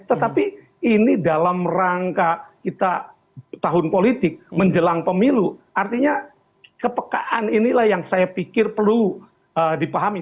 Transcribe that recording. tetapi ini dalam rangka kita tahun politik menjelang pemilu artinya kepekaan inilah yang saya pikir perlu dipahami